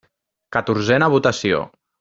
Catorzena votació.